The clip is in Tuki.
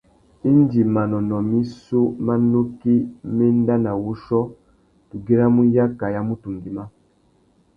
Indi manônōh missú má nukí mà enda nà wuchiô, tu güiramú yaka ya mutu ngüimá.